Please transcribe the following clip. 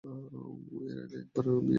এর আগে এক বার বিয়ে করেছি।